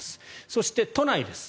そして都内です。